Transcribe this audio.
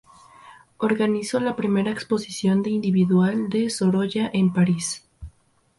Organizó la primera exposición de individual de Sorolla en París.